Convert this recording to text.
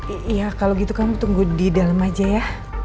iya kalau gitu kamu tunggu di dalam aja ya